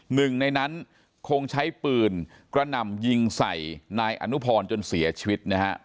หนึ่งในนั้นคงใช้ปืนกระหน่ำยิงใส่นายอนุพรจนเสียชีวิตนะฮะ